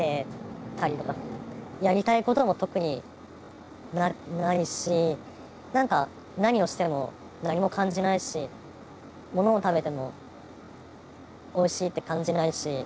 やりたいことも特にないし何か何をしても何も感じないし物を食べてもおいしいって感じないし。